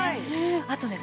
あとね